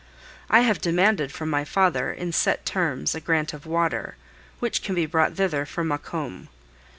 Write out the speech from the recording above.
I have demanded from my father, in set terms, a grant of water, which can be brought thither from Maucombe.